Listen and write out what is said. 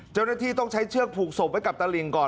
เจ้าหน้าที่ต้องใช้เชือกผูกศพไว้กับตลิงก่อน